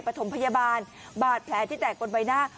ปฐมพยาบาลบาดแผลที่แตกบนใบหน้า